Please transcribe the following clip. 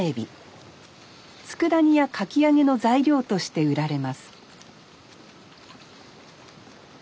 つくだ煮やかき揚げの材料として売られます